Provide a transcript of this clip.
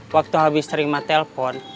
waktu habis terima telpon